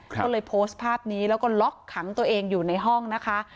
ก็เลยโพสต์ภาพนี้แล้วก็ล็อกขังตัวเองอยู่ในห้องนะคะ